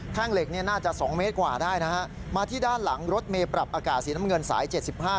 เหล็กเนี่ยน่าจะสองเมตรกว่าได้นะฮะมาที่ด้านหลังรถเมย์ปรับอากาศสีน้ำเงินสายเจ็ดสิบห้า